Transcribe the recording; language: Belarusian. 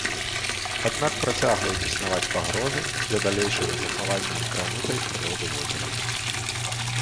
Аднак працягваюць існаваць пагрозы для далейшага захавання некранутай прыроды возера.